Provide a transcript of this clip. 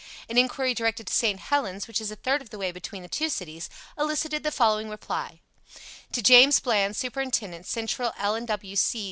An inquiry directed to St. Helens, which is a third of the way between the two cities, elicited the following reply "To James Bland, Superintendent, Central L. & W. C.